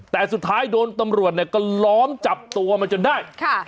แต่สุดท้ายโดนตำรวจเนี่ยก็ล้อมจับตัวมาจนได้